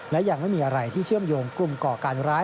และยังไม่มีอะไรที่เชื่อมโยงกลุ่มก่อการร้าย